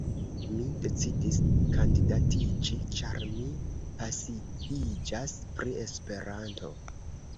Mi decidis kandidatiĝi ĉar mi pasiiĝas pri Esperanto.